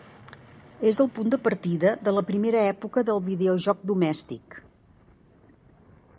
És el punt de partida de la primera època del videojoc domèstic.